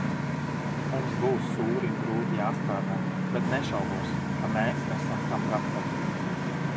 Mums būs sūri un grūti jāstrādā, bet nešaubos, ka mēs esam tam gatavi.